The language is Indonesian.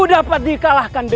hai yang mengalahkan aku